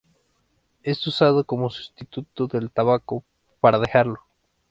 Es usado como sustituto del tabaco, para dejarlo.